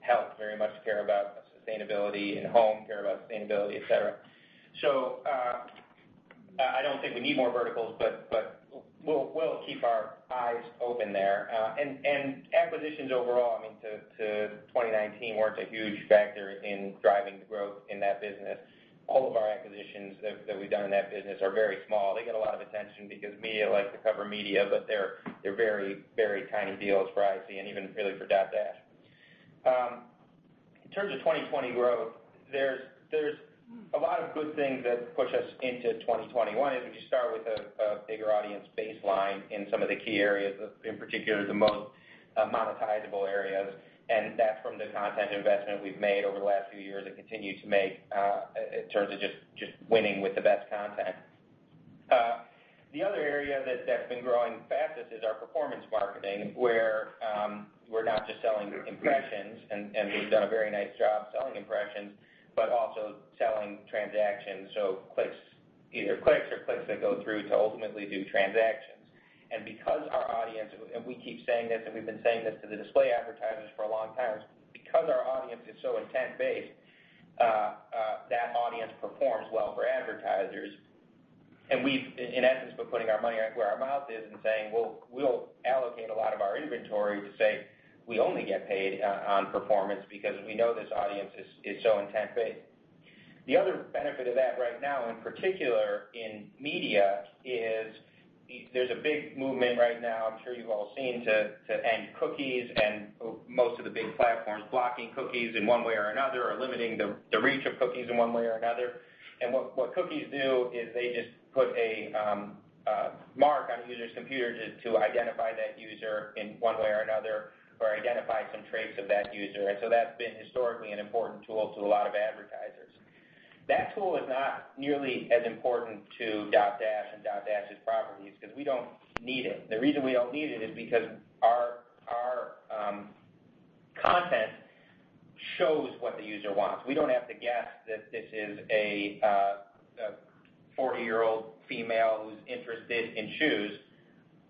health very much care about sustainability, and home care about sustainability, et cetera. I don't think we need more verticals, but we'll keep our eyes open there. Acquisitions overall, to 2019 weren't a huge factor in driving the growth in that business. All of our acquisitions that we've done in that business are very small. They get a lot of attention because media likes to cover media, but they're very tiny deals for IAC and even really for Dotdash. In terms of 2020 growth, there's a lot of good things that push us into 2021, is we just start with a bigger audience baseline in some of the key areas, in particular, the most monetizable areas. That's from the content investment we've made over the last few years and continue to make in terms of just winning with the best content. The other area that's been growing fastest is our performance marketing, where we're not just selling impressions, and we've done a very nice job selling impressions, but also selling transactions. Either clicks or clicks that go through to ultimately do transactions. We keep saying this, and we've been saying this to the display advertisers for a long time, because our audience is so intent-based, that audience performs well for advertisers. We've, in essence, been putting our money where our mouth is and saying, "We'll allocate a lot of our inventory to say we only get paid on performance because we know this audience is so intent-based." The other benefit of that right now, in particular in media, is there's a big movement right now, I'm sure you've all seen, to end cookies and most of the big platforms blocking cookies in one way or another, or limiting the reach of cookies in one way or another. What cookies do is they just put a mark on a user's computer to identify that user in one way or another or identify some traits of that user. That's been historically an important tool to a lot of advertisers. That tool is not nearly as important to Dotdash and Dotdash's properties because we don't need it. The reason we don't need it is because our content shows what the user wants. We don't have to guess that this is a 40-year-old female who's interested in shoes.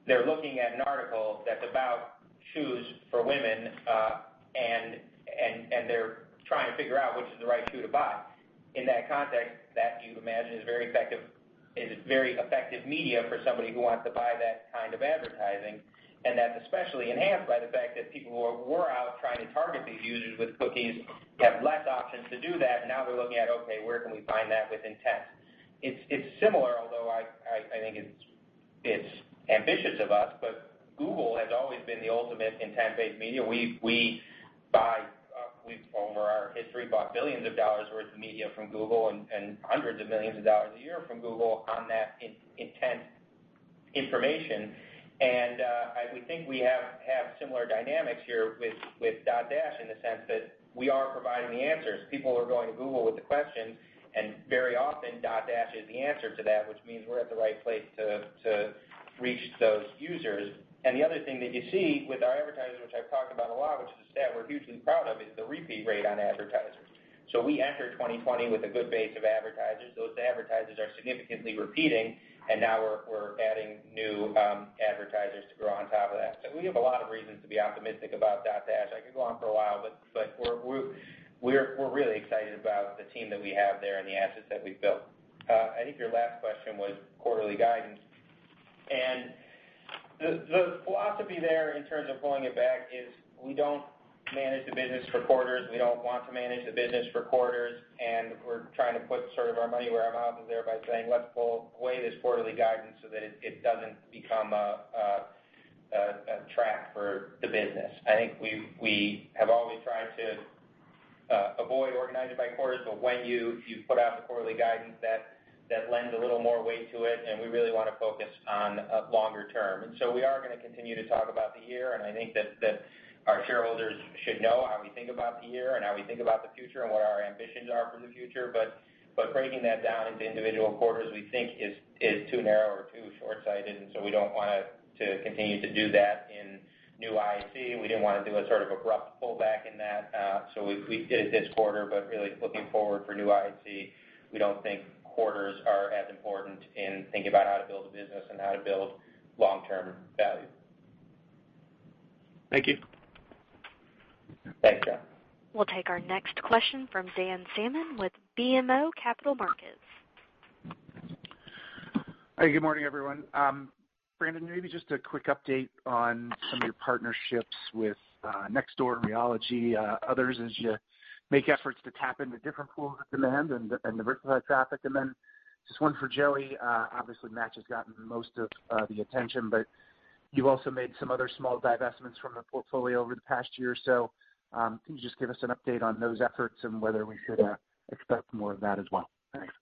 They're looking at an article that's about shoes for women, and they're trying to figure out which is the right shoe to buy. In that context, that you imagine is very effective media for somebody who wants to buy that kind of advertising. That's especially enhanced by the fact that people who were out trying to target these users with cookies have less options to do that. Now they're looking at, okay, where can we find that with intent? It's similar, although I think it's ambitious of us, but Google has always been the ultimate intent-based media. We've, over our history, bought billions of dollars worth of media from Google and hundreds of millions of dollars a year from Google on that intent information. We think we have similar dynamics here with Dotdash in the sense that we are providing the answers. People are going to Google with the questions, and very often Dotdash is the answer to that, which means we're at the right place to reach those users. The other thing that you see with our advertisers, which I've talked about a lot, which is that we're hugely proud of, is the repeat rate on advertisers. We enter 2020 with a good base of advertisers. Now we're adding new advertisers to grow on top of that. We have a lot of reasons to be optimistic about Dotdash. I could go on for a while, but we're really excited about the team that we have there and the assets that we've built. I think your last question was quarterly guidance. The philosophy there in terms of pulling it back is we don't manage the business for quarters. We don't want to manage the business for quarters, and we're trying to put our money where our mouth is there by saying, let's pull away this quarterly guidance so that it doesn't become a trap for the business. I think we have always tried to avoid organizing by quarters. When you put out the quarterly guidance, that lends a little more weight to it, and we really want to focus on longer term. We are going to continue to talk about the year, and I think that our shareholders should know how we think about the year and how we think about the future and what our ambitions are for the future. Breaking that down into individual quarters, we think is too narrow or too shortsighted. We don't want to continue to do that in New IAC. We didn't want to do a sort of abrupt pullback in that. We did it this quarter, but really looking forward for New IAC, we don't think quarters are as important in thinking about how to build a business and how to build long-term value. Thank you. Thanks, Black. We'll take our next question from Dan Salmon with BMO Capital Markets. Hi, good morning, everyone. Brandon, maybe just a quick update on some of your partnerships with Nextdoor, Realogy, others as you make efforts to tap into different pools of demand and divert that traffic. Then just one for Joey. Obviously, Match has gotten most of the attention, but you also made some other small divestments from the portfolio over the past year or so. Can you just give us an update on those efforts and whether we should expect more of that as well? Thanks.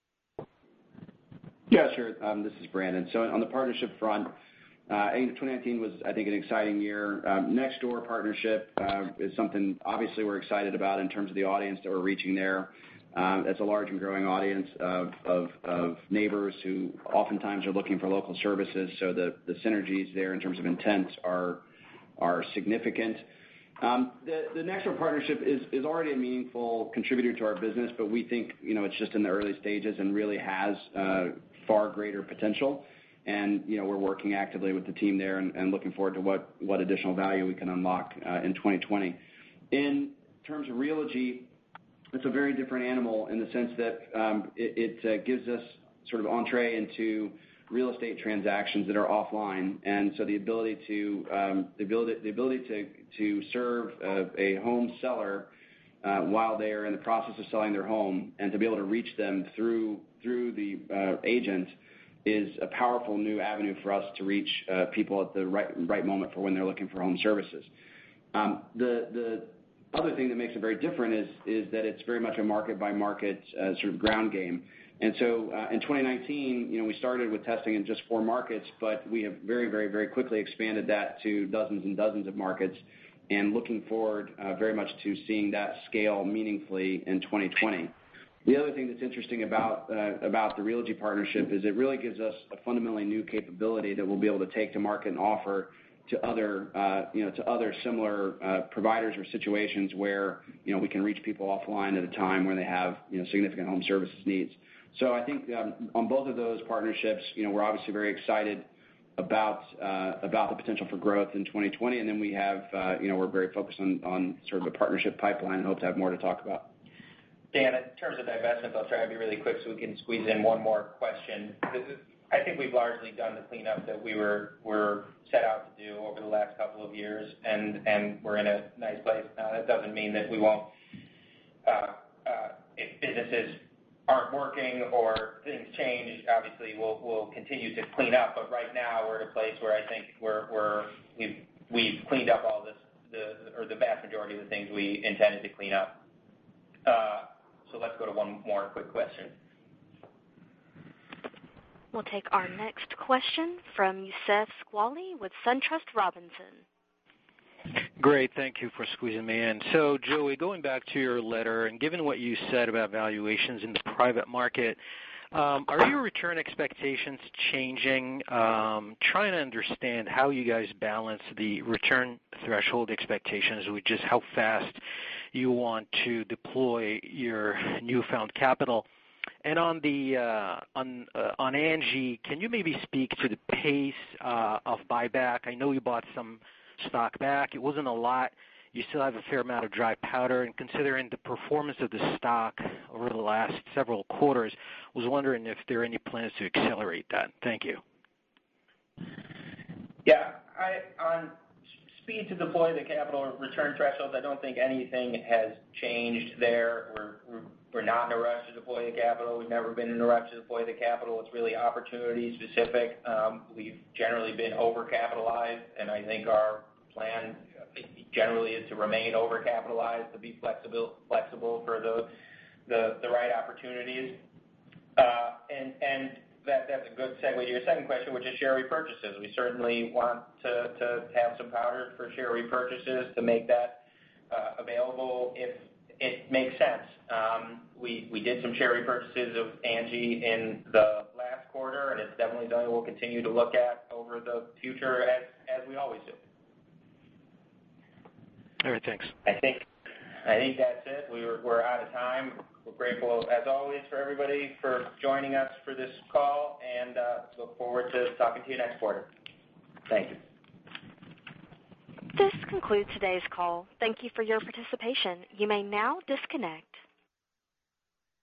Yeah, sure. This is Brandon. On the partnership front, 2019 was, I think, an exciting year. Nextdoor partnership is something obviously we're excited about in terms of the audience that we're reaching there. That's a large and growing audience of neighbors who oftentimes are looking for local services, so the synergies there in terms of intents are significant. The Nextdoor partnership is already a meaningful contributor to our business, but we think it's just in the early stages and really has far greater potential. We're working actively with the team there and looking forward to what additional value we can unlock in 2020. In terms of Realogy, it's a very different animal in the sense that it gives us sort of entree into real estate transactions that are offline. The ability to serve a home seller while they are in the process of selling their home and to be able to reach them through the agent is a powerful new avenue for us to reach people at the right moment for when they're looking for home services. The other thing that makes it very different is that it's very much a market-by-market sort of ground game. In 2019, we started with testing in just 4 markets, but we have very quickly expanded that to dozens and dozens of markets and looking forward very much to seeing that scale meaningfully in 2020. The other thing that's interesting about the Realogy partnership is it really gives us a fundamentally new capability that we'll be able to take to market and offer to other similar providers or situations where we can reach people offline at a time when they have significant home services needs. I think on both of those partnerships, we're obviously very excited about the potential for growth in 2020. We're very focused on sort of the partnership pipeline and hope to have more to talk about. Dan, in terms of divestments, I'll try to be really quick so we can squeeze in one more question. I think we've largely done the cleanup that we were set out to do over the last couple of years, and we're in a nice place now. That doesn't mean that if businesses aren't working or things change, obviously, we'll continue to clean up. Right now, we're at a place where I think we've cleaned up all this or the vast majority of the things we intended to clean up. Let's go to one more quick question. We'll take our next question from Youssef Squali with SunTrust Robinson. Great, thank you for squeezing me in. Joey, going back to your letter and given what you said about valuations in the private market, are your return expectations changing? Trying to understand how you guys balance the return threshold expectations with just how fast you want to deploy your newfound capital. On Angi, can you maybe speak to the pace of buyback? I know you bought some stock back. It wasn't a lot. You still have a fair amount of dry powder. Considering the performance of the stock over the last several quarters, I was wondering if there are any plans to accelerate that. Thank you. Yeah. On speed to deploy the capital or return thresholds, I don't think anything has changed there. We're not in a rush to deploy the capital. We've never been in a rush to deploy the capital. It's really opportunity-specific. We've generally been overcapitalized, and I think our plan generally is to remain overcapitalized, to be flexible for the right opportunities. That's a good segue to your second question, which is share repurchases. We certainly want to have some powder for share repurchases to make that available if it makes sense. We did some share repurchases of ANGI in the last quarter, and it's definitely something we'll continue to look at over the future as we always do. All right, thanks. I think that's it. We're out of time. We're grateful, as always, for everybody for joining us for this call. Look forward to talking to you next quarter. Thank you. This concludes today's call. Thank you for your participation. You may now disconnect.